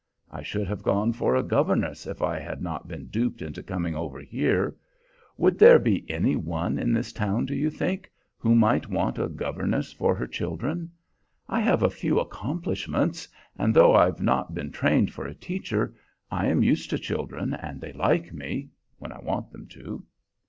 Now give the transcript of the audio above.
I should have gone for a governess if I had not been duped into coming over here. Would there be any one in this town, do you think, who might want a governess for her children? I have a few 'accomplishments,' and though I've not been trained for a teacher, I am used to children, and they like me, when I want them to."